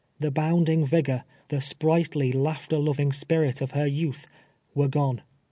The bounding vigor — the sprightly, laughter loving spirit of her youth, were gone.